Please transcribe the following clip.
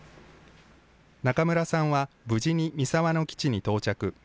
中村さんは無事に三沢の基地に到着。